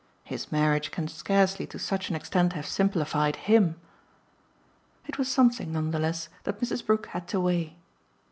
His marriage can scarcely to such an extent have simplified HIM." It was something, none the less, that Mrs. Brook had to weigh.